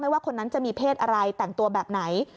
ว่าคนนั้นจะมีเพศอะไรแต่งตัวแบบไหน